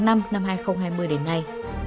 năm hai nghìn hai mươi đến nay